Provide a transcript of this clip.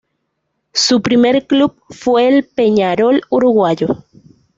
Su primer club fue el Peñarol uruguayo.